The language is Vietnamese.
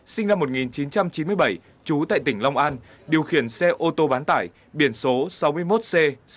sinh năm một nghìn chín trăm chín mươi bảy trú tại tỉnh long an điều khiển xe ô tô bán tải biển số sáu mươi một c sáu mươi ba nghìn tám trăm hai mươi hai